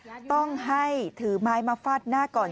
ตำรวจบอกว่าแค่ผลักไม่ถือว่าเป็นการทำร้ายร่างกาย